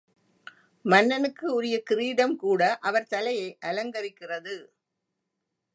மன்னனுக்கு உரிய கிரீடம் கூட அவர் தலையை அலங்கரிக்கிறது.